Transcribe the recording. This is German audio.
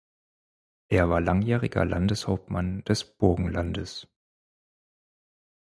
Er war langjähriger Landeshauptmann des Burgenlandes.